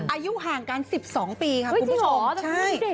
อายุห่างกัน๑๒ปีค่ะคุณผู้ชมใช่